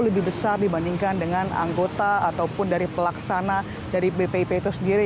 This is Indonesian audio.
lebih besar dibandingkan dengan anggota ataupun dari pelaksana dari bpip itu sendiri